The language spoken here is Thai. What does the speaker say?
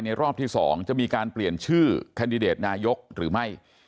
รอบที่๒จะมีการเปลี่ยนชื่อแคนดิเดตนายกหรือไม่